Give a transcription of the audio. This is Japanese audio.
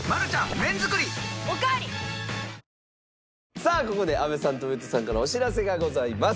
さあここで阿部さんと上戸さんからお知らせがございます。